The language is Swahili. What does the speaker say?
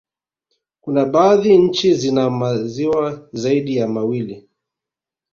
Kuna baadhi nchi zina maziwa zaidi ya mawili